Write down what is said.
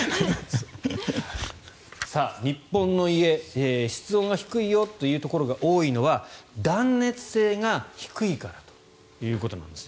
日本の家、室温が低いよというところが多いのは断熱性が低いからということなんですね。